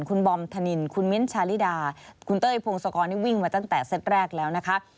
คุณบอมธนินคุณมิ้นท์ชาลิดาคุณเต้ยพงศกรนี่วิ่งมาตั้งแต่เซตแรกแล้วนะคะ